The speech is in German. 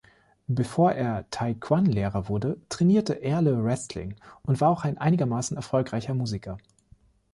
Bevor er Taijiquan-Lehrer wurde, trainierte Erle Wrestling und war auch ein einigermaßen erfolgreicher Musiker.